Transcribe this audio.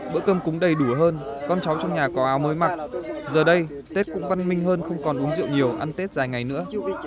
bữa cơm cũng đầy đủ hơn con cháu trong nhà có áo mới mặc giờ đây tết cũng văn minh hơn không còn uống rượu nhiều ăn tết dài ngày nữa